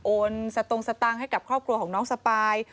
สตงสตังค์ให้กับครอบครัวของน้องสปาย